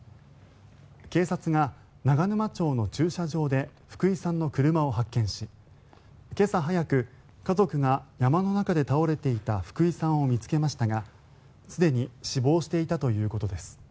警察が長沼町の駐車場で福井さんの車を発見し今朝早く、家族が山の中で倒れていた福井さんを見つけましたがすでに死亡していたということです。